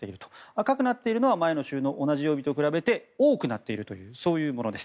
赤くなっているのは前の週の同じ曜日と比べて多くなっているというそういうものです。